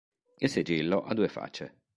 Il sigillo ha due facce.